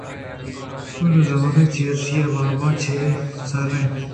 تو نہ زانے چرایشی ءَ آ واباں جَہ سِرّ اَنت